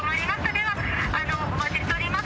ではお待ちしておりますので」